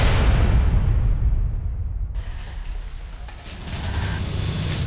sekarang putri udah mati